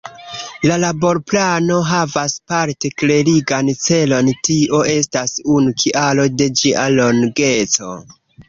La Laborplano havas parte klerigan celon - tio estas unu kialo de ĝia longeco.